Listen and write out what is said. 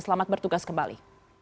selamat bertugas kembali